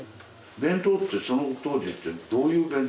弁当ってその当時ってどういう弁当？